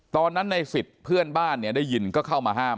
ตอนนั้นในสิทธิ์เพื่อนบ้านได้ยินก็เข้ามาห้าม